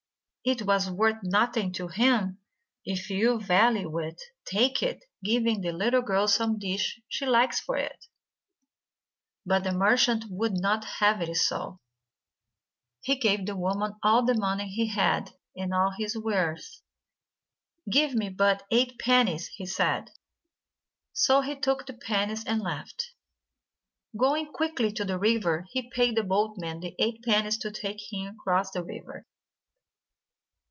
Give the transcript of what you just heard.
"It was worth nothing to him. If you value it, take it, giving the little girl some dish she likes for it." But the merchant would not have it so. He gave the woman all the money he had, and all his wares. "Give me but eight pennies," he said. So he took the pennies, and left. Going quickly to the river, he paid the boatman the eight pennies to take him across the river.